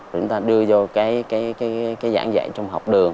chúng ta đưa vô cái giảng dạy trong học đường